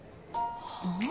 はあ？